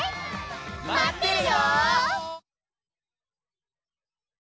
まってるよ！